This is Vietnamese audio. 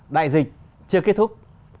đại dịch chưa kết thúc